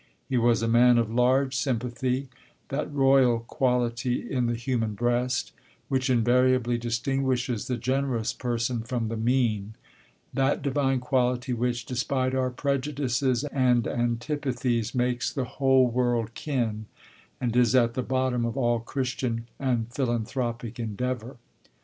He was a man of large sympathy, that royal quality in the human breast which invariably distinguishes the generous person from the mean, that divine quality which, despite our prejudices and antipathies, "makes the whole world kin," and is at the bottom of all Christian and philanthropic endeavor.